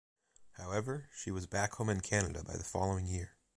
However, she was back home in Canada by the following year.